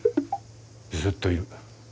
ずっといる。